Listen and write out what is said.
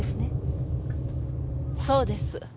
そうです。